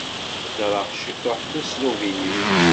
Heddreɣ ciṭuḥ tasluvinit.